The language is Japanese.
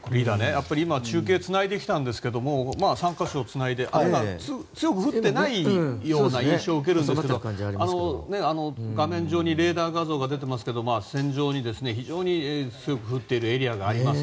やっぱり今、中継をつないできたんですが３か所つないで雨が強く降っていない印象を受けるんですけれども、画面上にレーダー画像が出てますけど線上に非常に強く降っているエリアがあります。